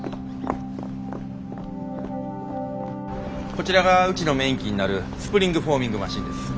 こちらがうちのメイン機になるスプリングフォーミングマシンです。